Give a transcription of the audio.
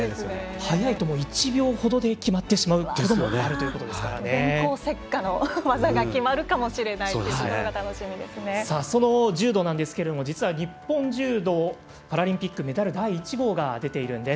早いと１秒ほどで決まってしまう電光石火の技が決まるかもしれないというところが日本柔道、パラリンピックメダル第１号が出ています。